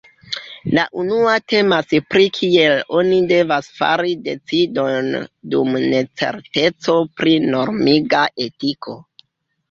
La unua temas pri kiel oni devas fari decidojn dum necerteco pri normiga etiko.